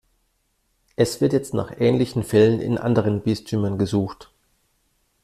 Es wird jetzt nach ähnlichen Fällen in anderen Bistümern gesucht.